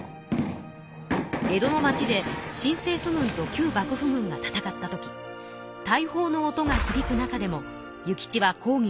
江戸の町で新政府軍と旧幕府軍が戦った時大砲の音がひびく中でも諭吉は講義を続けます。